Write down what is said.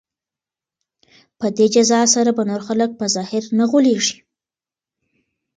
په دې جزا سره به نور خلک په ظاهر نه غولیږي.